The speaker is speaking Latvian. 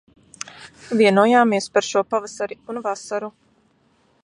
Vienojāmies par šo pavasari un vasaru.